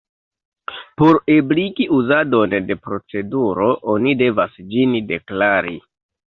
Por ebligi uzadon de proceduro oni devas ĝin "deklari".